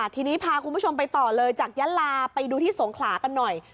ทีนี้พาคุณผู้ชมไปต่อเลยจากยะลาไปดูที่สงขลากันหน่อย